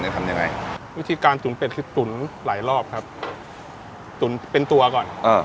ทำยังไงวิธีการตุ๋นเป็ดคือตุ๋นหลายรอบครับตุ๋นเป็นตัวก่อนเออ